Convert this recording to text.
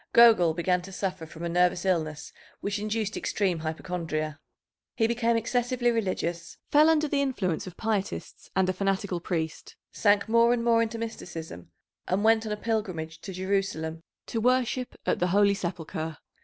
Gogol began to suffer from a nervous illness which induced extreme hypochondria. He became excessively religious, fell under the influence of pietists and a fanatical priest, sank more and more into mysticism, and went on a pilgrimage to Jerusalem to worship at the Holy Sepulchre.